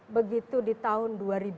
begitu di tahun dua ribu dua